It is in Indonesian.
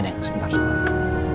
nenek sebentar sebentar